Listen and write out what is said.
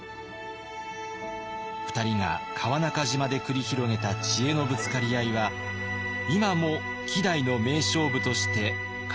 ２人が川中島で繰り広げた知恵のぶつかり合いは今も希代の名勝負として語り継がれています。